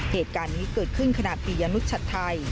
เหตุการณ์นี้เกิดขึ้นขณะปียนุชชัดไทย